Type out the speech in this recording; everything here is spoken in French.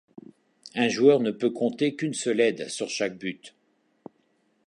Un joueur ne peut compter qu'une seule aide sur chaque but.